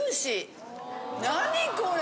何これ！？